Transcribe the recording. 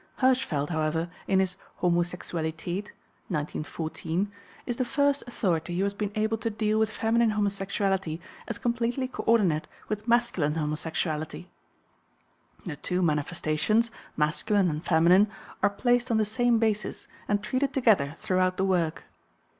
Hirschfeld, however, in his Homosexualität (1914) is the first authority who has been able to deal with feminine homosexuality as completely co ordinate with masculine homosexuality. The two manifestations, masculine and feminine, are placed on the same basis and treated together throughout the work.